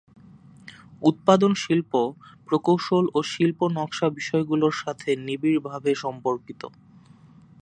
উৎপাদন শিল্প প্রকৌশল ও শিল্প নকশা বিষয়গুলোর সাথে নিবিড়ভাবে সম্পর্কিত।